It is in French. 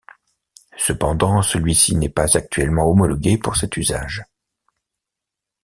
Cependant, celui-ci n'est pas actuellement homologué pour cet usage.